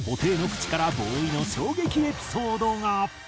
布袋の口からＢＯＷＹの衝撃エピソードが。